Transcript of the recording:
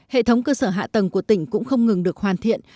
hệ thống cơ sở hạ tầng của tỉnh cũng không ngừng được hoàn thiện